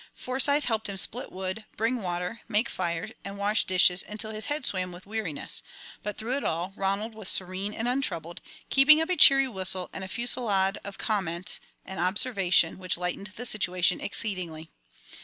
Forsyth helped him split wood, bring water, make fires, and wash dishes until his head swam with weariness; but through it all, Ronald was serene and untroubled, keeping up a cheery whistle and a fusillade of comment and observation which lightened the situation exceedingly.